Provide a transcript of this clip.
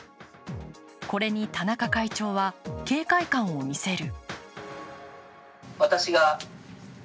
これに田中会長は警戒感を見せる。